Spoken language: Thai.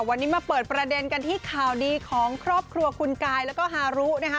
วันนี้มาเปิดประเด็นกันที่ข่าวดีของครอบครัวคุณกายแล้วก็ฮารุนะคะ